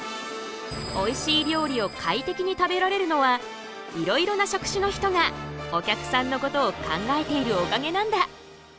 おいしい料理を快適に食べられるのはいろいろな職種の人がお客さんのことを考えているおかげなんだ。